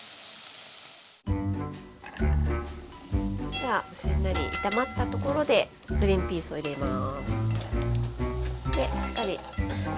じゃあしんなり炒まったところでグリンピースを入れます。